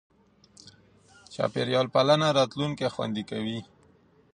چاپېریال پالنه راتلونکی خوندي کوي.